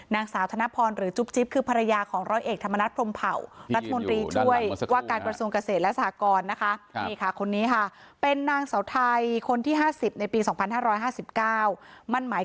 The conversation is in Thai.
นางสาวธนพรหรือจุ๊บจิ๊บคือภรรยาของร้อยเอกธรรมนักพรมเผา